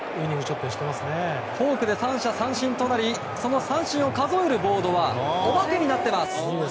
フォークで三者三振となりその数を数えるボードはお化けになっています。